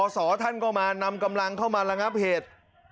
ท่านก็มานำกำลังเข้ามาระงับเหตุ